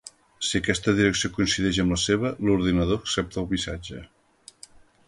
Si aquesta direcció coincideix amb la seva, l'ordinador accepta el missatge.